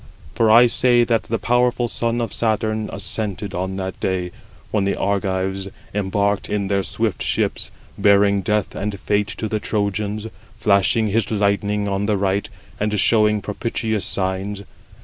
For I say that the powerful son of Saturn assented on that day, when the Argives embarked in their swift ships, bearing death and fate to the Trojans, flashing 107 his lightning on the right, and showing propitious signs.